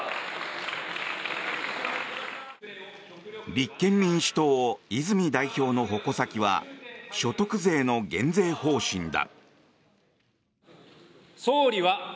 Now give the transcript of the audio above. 立憲民主党、泉代表の矛先は所得税の減税方針だ。